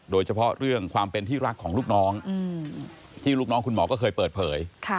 โดยเฉพาะเรื่องความเป็นที่รักของลูกน้องที่ลูกน้องคุณหมอก็เคยเปิดเผย